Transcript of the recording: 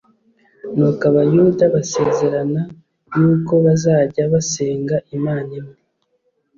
Nuko Abayuda basezerana yuko bazajya basenga Imana imwe.